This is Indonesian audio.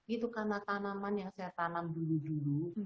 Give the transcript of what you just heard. itu karena tanaman yang saya tanam dulu dulu